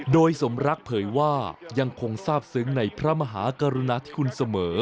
โดยสมรักเผยว่ายังคงทราบซึ้งในพระมหากรุณาธิคุณเสมอ